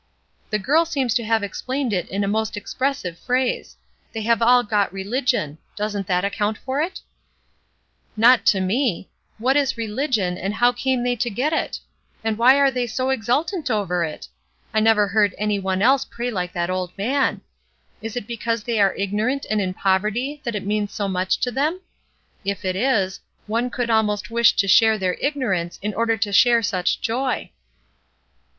"The girl seems to have explained it in a most expressive phrase; they have all 'got religion.' Does not that account for it?" MELINDY 203 ''Not to me. What is religion, and how came they to get it? And why are they so exultant over it? I never heard any one else pray Hke that old man. Is it because they are ignorant and in poverty that it means so much to them? If it is, one could almost wish to share their ignorance in order to share such joy."